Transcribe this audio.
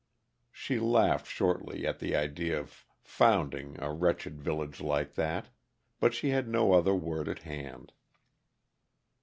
She laughed shortly at the idea of "founding" a wretched village like that, but she had no other word at hand.